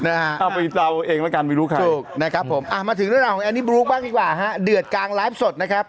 อะมาถึงเรื่องหนังของแอนนี่บรู๊กดีกว่าฮะเดือดกางไลฟ์สดนะครับ